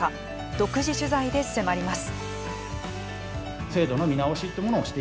独自取材で迫ります。